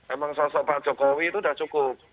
emang sosok pak jokowi itu sudah cukup